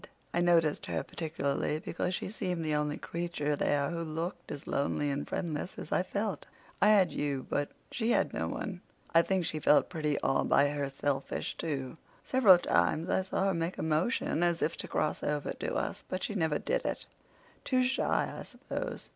I noticed her particularly because she seemed the only creature there who looked as lonely and friendless as I felt. I had you, but she had no one." "I think she felt pretty all by herselfish, too. Several times I saw her make a motion as if to cross over to us, but she never did it—too shy, I suppose.